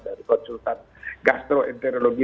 dari konsultan gastroenterologi